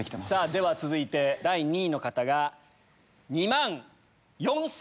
では続いて第２位の方が２万４千。